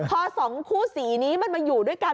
พอสองคู่สีนี้มันมาอยู่ด้วยกัน